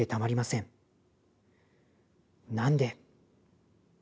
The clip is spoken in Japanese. なんで。